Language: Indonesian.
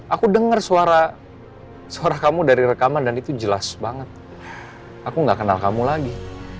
aku dengar suara kamu dari rekaman dan itu jelas banget aku gak kenal kamu lagi